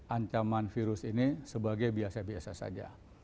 ancaman virus ini sebagai biasa biasa saja